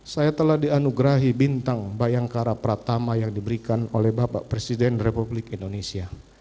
saya telah dianugerahi bintang bayangkara pratama yang diberikan oleh bapak presiden republik indonesia